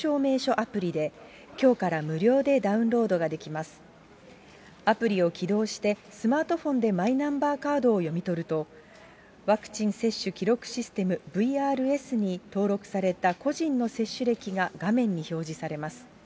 アプリを起動して、スマートフォンでマイナンバーカードを読み取ると、ワクチン接種記録システム・ＶＲＳに登録された個人の接種歴が画面に表示されます。